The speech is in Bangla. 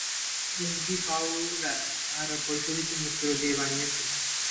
এলগি পাউডার আর পরিশোধিত মুত্র দিয়ে বানিয়েছি।